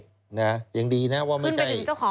ขึ้นไปถึงเจ้าของแล้วนะ